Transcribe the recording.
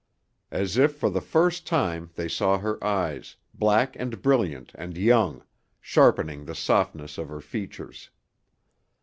As if for the first time they saw her eyes, black and brilliant and young, sharpening the softness of her features.